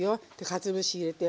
かつお節入れて。